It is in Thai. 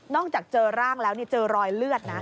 จากเจอร่างแล้วเจอรอยเลือดนะ